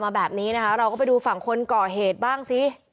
แบบนี้นะคะเราก็ไปดูฝั่งคนก่อเหตุบ้างสิ